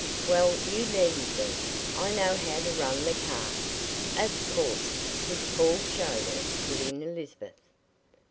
"Well, you needn't be. I know how to run the car." "Of course, since Paul showed her," put in Elizabeth.